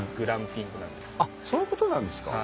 あっそういうことなんですか。